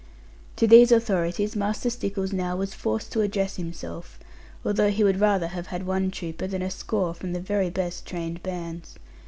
To these authorities Master Stickles now was forced to address himself, although he would rather have had one trooper than a score from the very best trained bands.